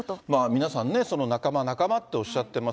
皆さんね、仲間仲間っておっしゃってます。